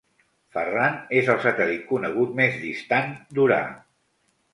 Ferran és el satèl·lit conegut més distant d'Urà.